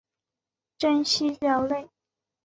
真蜥脚类。